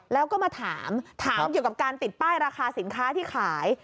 แล้วก็มาถามถามเกี่ยวกับการติดป้ายราคาสินค้าที่ขาย